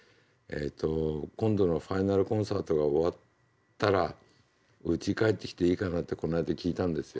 今度のファイナル・コンサートが終わったらうち帰ってきていいかなってこの間聞いたんですよ。